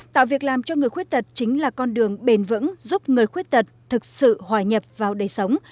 tạo việc làm cho người khuyết tật chính là con đường bền vững giúp người khuyết tật thực sự hòa nhập vào đời sống